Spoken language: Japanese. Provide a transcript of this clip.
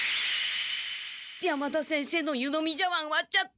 山田先生の湯飲み茶わんわっちゃった。